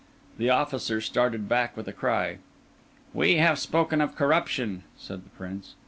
The officer started back with a cry. "We have spoken of corruption," said the Prince.